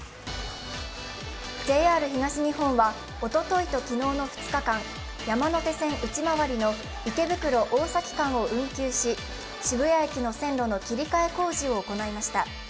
ＪＲ東日本はおとといと昨日の２日間、山手線内回りの池袋−大崎間を運休し、渋谷駅の線路の切り替え工事を行いました。